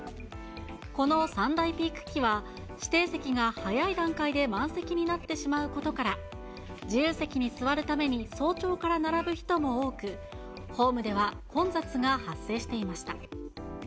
この３大ピーク期は、指定席が早い段階で満席になってしまうことから、自由席に座るために早朝から並ぶ人も多く、ホームでは混雑が発生していました。